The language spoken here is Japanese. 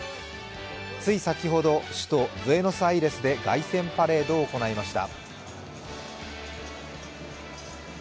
つい先ほど、首都ブエノスアイレスで凱旋パレードを行いました。